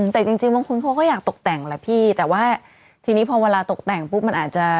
แต่จริงบางคนเขาก็อยากตกแต่งแหละพี่แต่ว่าทีนี้พอเวลาตกแต่งปุ๊บมันอาจจะ